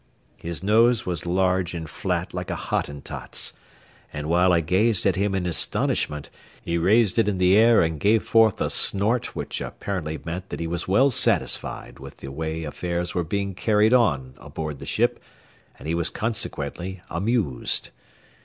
His nose was large and flat like a Hottentot's, and while I gazed at him in astonishment, he raised it in the air and gave forth a snort which apparently meant that he was well satisfied with the way affairs were being carried on aboard the ship and he was consequently amused.